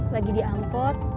lagi di angkot